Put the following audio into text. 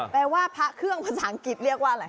แปลว่าพระเครื่องภาษาอังกฤษเรียกว่าอะไร